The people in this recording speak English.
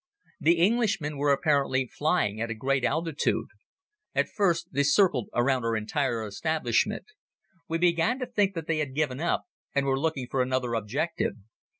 The Englishmen were apparently flying at a great altitude. At first they circled around our entire establishment. We began to think that they had given up and were looking for another objective.